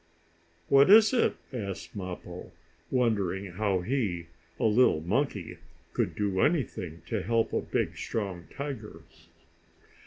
"What is it?" asked Mappo, wondering how he, a little monkey, could do anything to help a big, strong tiger.